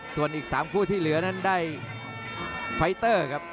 ส่วนอีก๓คู่ที่เหลือนั้นได้ไฟเตอร์ครับ